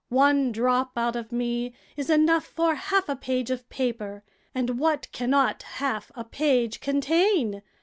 One drop out of me is enough for half a page of paper, and what cannot half a page contain?